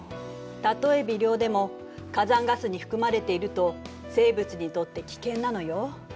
たとえ微量でも火山ガスに含まれていると生物にとって危険なのよ。